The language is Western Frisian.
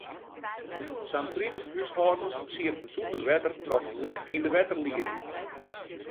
Sa'n tritich húshâldens sieten sûnder wetter troch in lek yn de wetterlieding.